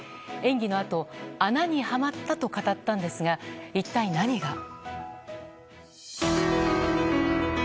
演技のあと、穴にはまったと語ったんですが、一体何が。